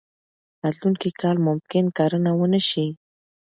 راتلونکی کال ممکن کرنه ونه شي.